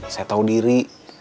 saya tahu diri